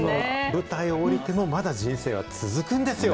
舞台を下りてもまだ人生は続くんですよ。